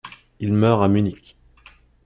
Il meurt à Munich.